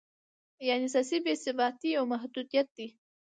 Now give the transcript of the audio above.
یعنې سیاسي بې ثباتي یو محدودیت دی.